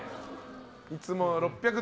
いつも６００